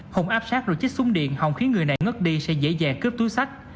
hùng áp sát rồi chích súng điện hồng khiến người này ngất đi sẽ dễ dàng cướp túi sách